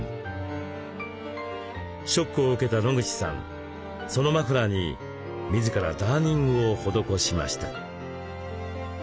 ショックを受けた野口さんそのマフラーに自らダーニングを施しました。